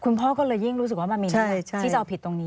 พ่อก็เลยยิ่งรู้สึกว่ามันมีที่จะเอาผิดตรงนี้